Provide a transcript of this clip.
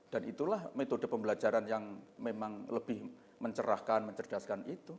dan itulah metode pembelajaran yang memang lebih mencerahkan mencerdaskan itu